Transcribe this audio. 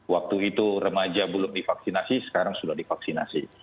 waktu itu remaja belum divaksinasi sekarang sudah divaksinasi